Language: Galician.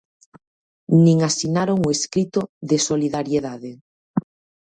Nin asinaron o escrito de solidariedade.